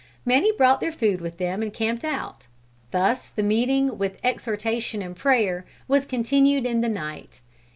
Many brought their food with them and camped out. Thus the meeting, with exhortation and prayer, was continued in the night.